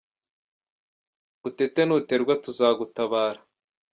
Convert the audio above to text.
Utete nuterwa tuzagutabara